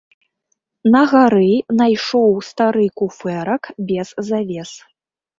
На гары найшоў стары куфэрак без завес.